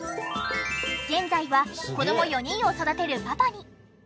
現在は子ども４人を育てるパパに。